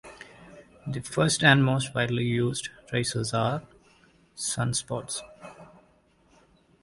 The first and most widely used tracers are sunspots.